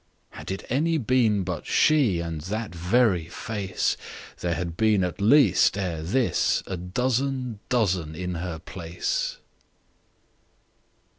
Had it any been but she, And that very face, There had been at least ere thisA dozen dozen in her place.